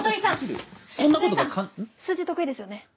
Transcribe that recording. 数字得意ですよね？